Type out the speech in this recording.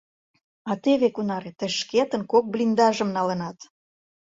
— А теве кунаре: тый шкетын кок блиндажым налынат.